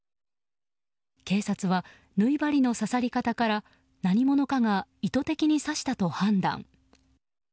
警察は縫い針の刺さり方から何者かが意図的に刺したと判断。